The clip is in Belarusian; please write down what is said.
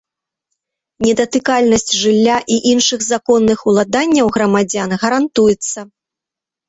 Недатыкальнасць жылля і іншых законных уладанняў грамадзян гарантуецца.